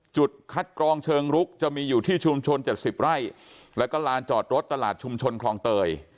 จุดคัดกรองเชิงลุกจะมีอยู่ที่ชุมชน๗๐ไร่แล้วก็ลานจอดรถตลาดชุมชนคลองเตย